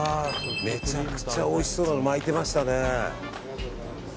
めちゃくちゃおいしそうなの巻いてましたね。